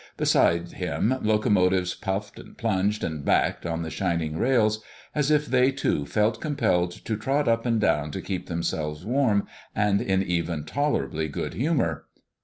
Beside him locomotives puffed and plunged and backed on the shining rails, as if they, too, felt compelled to trot up and down to keep themselves warm, and in even tolerably good humor.